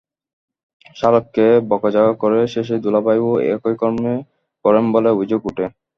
শ্যালককে বকাঝকা করে শেষে দুলাভাইও একই কর্ম করেন বলে অভিযোগ ওঠে।